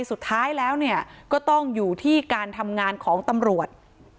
สุดท้ายแล้วเนี่ยก็ต้องอยู่ที่การทำงานของตำรวจ